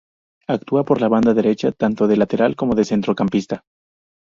Actúa por la banda derecha, tanto de lateral como de centrocampista.